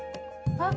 あっ！